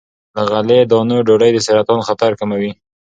له غلې- دانو ډوډۍ د سرطان خطر کموي.